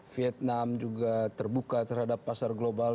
vietnam juga terbuka terhadap pasar global